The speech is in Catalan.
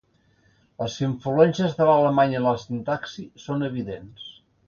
Les influències de l'alemany en la sintaxi són evidents.